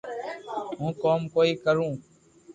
ھون ڪوم ڪوئي ڪرو